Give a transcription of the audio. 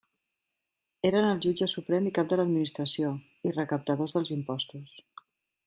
Eren el jutge suprem i cap de l'administració, i recaptadors dels impostos.